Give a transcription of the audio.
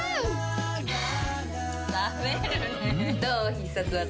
必殺技。